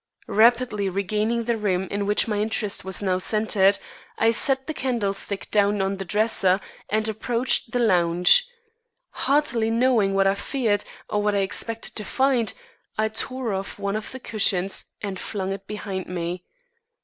Rapidly regaining the room in which my interest was now centred, I set the candlestick down on the dresser, and approached the lounge. Hardly knowing what I feared, or what I expected to find, I tore off one of the cushions and flung it behind me.